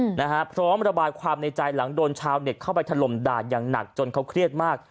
นะฮะพร้อมระบายความในใจหลังโดนชาวเน็ตเข้าไปถล่มด่าอย่างหนักจนเขาเครียดมาก